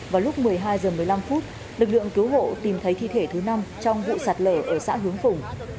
vào lúc một mươi hai h một mươi năm lực lượng cứu hộ tìm thấy thi thể thứ năm trong vụ sạt lở ở xã hướng phùng